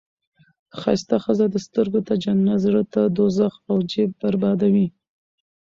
ښایسته ښځه سترګو ته جنت، زړه ته دوزخ او جیب بربادي وي.